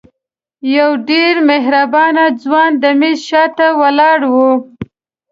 یو ډېر مهربانه ځوان د میز شاته ولاړ و.